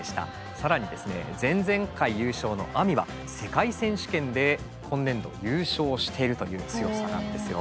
更にですね前々回優勝のＡＭＩは世界選手権で今年度優勝しているという強さなんですよ。